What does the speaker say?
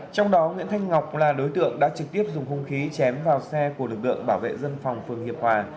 trong đó nguyễn thanh ngọc là đối tượng đã trực tiếp dùng hung khí chém vào xe của lực lượng bảo vệ dân phòng phường hiệp hòa